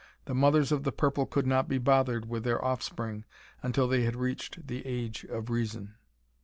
The mothers of the purple could not be bothered with their offspring until they had reached the age of reason.